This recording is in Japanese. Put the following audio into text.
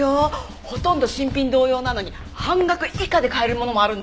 ほとんど新品同様なのに半額以下で買えるものもあるんだから。